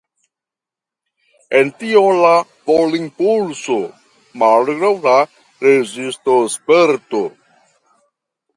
En tio la volimpulso malgraŭ la rezistosperto.